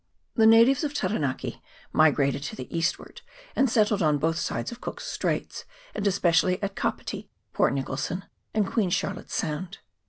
The natives of Ta ranaki migrated to the eastward, and settled on both sides of Cook's Straits, and especially at Kapiti, Port Nicholson, and Queen Charlotte's Sound.